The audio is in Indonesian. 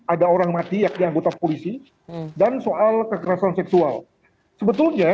ada orang mati yakni anggota polisi dan soal kekerasan seksual sebetulnya